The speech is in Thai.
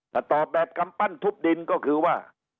ถ้าตอบแบบกำปั้นทุบดินก็คือว่า